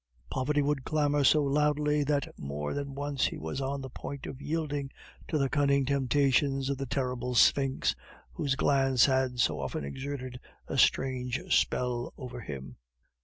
Poverty would clamor so loudly that more than once he was on the point of yielding to the cunning temptations of the terrible sphinx, whose glance had so often exerted a strange spell over him.